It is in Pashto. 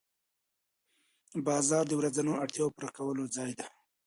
بازار د ورځنیو اړتیاوو د پوره کولو ځای دی